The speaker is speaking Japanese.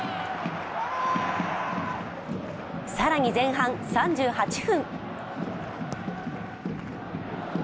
更に前半３８分。